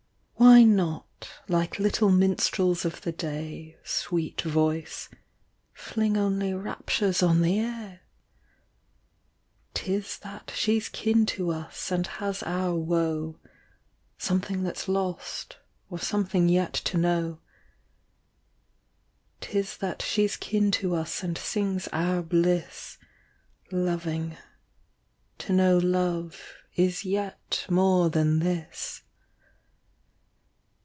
Why not, like little minstrels of the day, Sweet voice, fling only raptures on the air ? 'Tis that she's kin to us and has our woe, Something that's lost or something yet to know : Tis that she's kin to us and sings our bliss, Loving, to know love is yet more than this.